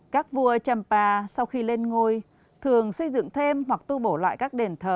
các vua champa sau khi lên ngôi thường xây dựng thêm hoặc tu bổ lại các đền thờ